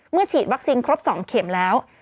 เมื่อฉีดวัคซินครบ๒เข็มแล้ว